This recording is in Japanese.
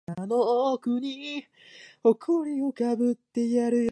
表情を見ても非常に落ち着いているように見えます。